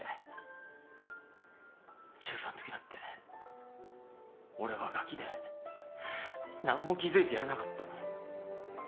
中３のときだって俺はガキで何も気付いてやれなかった。